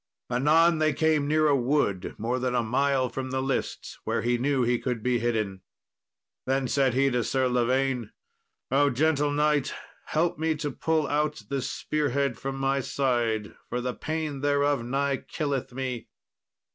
Anon they came near a wood more than a mile from the lists, where he knew he could be hidden. Then said he to Sir Lavaine, "O gentle knight, help me to pull out this spear head from my side, for the pain thereof nigh killeth me."